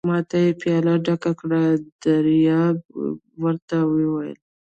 ما ته یې پياله ډکه کړه، دریاب ور ته وویل.